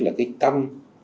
là cái tâm